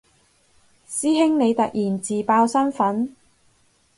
師兄你突然自爆身份